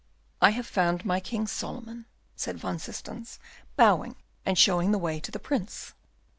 "I have found my King Solomon," said Van Systens, bowing, and showing the way to the Prince.